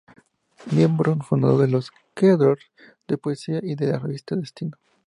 Miembro fundador de los "Quaderns de Poesia" y de la revista "Destino.